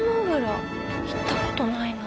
行ったことないな。